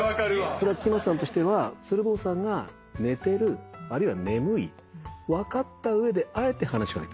それは木全さんとしては鶴房さんが寝てるあるいは眠い分かった上であえて話し掛けてる？